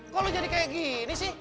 kok lu jadi kayak gini sih